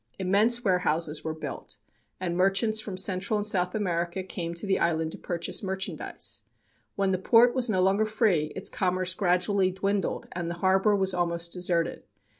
Immense warehouses were built, and merchants from Central and South America came to the island to purchase merchandise. When the port was no longer free, its commerce gradually dwindled and the harbor was almost deserted.